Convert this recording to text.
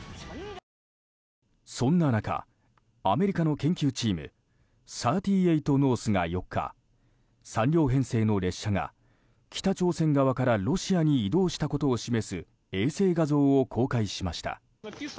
そんな中、アメリカの研究チーム３８ノースが４日、３両編成の列車が北朝鮮側からロシアに移動したことを示す衛星画像を公開しました。